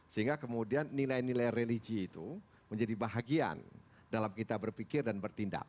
sehingga kemudian nilai nilai religi itu menjadi bahagian dalam kita berpikir dan bertindak